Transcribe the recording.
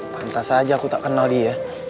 pantas saja aku tak kenal dia